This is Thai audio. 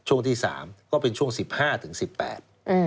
ช่วงที่สามก็เป็นช่วงสิบห้าถึงสิบแปดอืม